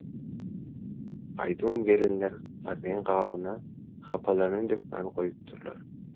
Gaýdybam, gelinler garryň gabyna hapalaryny dökmäni goýupdyrlar.